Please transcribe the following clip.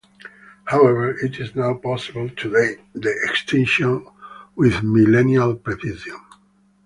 However, it is now possible to date the extinction with millennial precision.